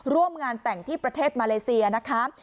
ร่วมงานแต่งที่ประเทศมาเลเซียนะคะ